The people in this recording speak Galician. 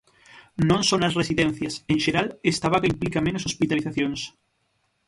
Non só nas residencias, en xeral esta vaga implica menos hospitalizacións.